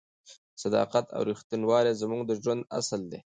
صداقت او رښتینولي زموږ د ژوند اصل دی.